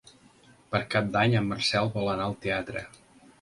Per Cap d'Any en Marcel vol anar al teatre.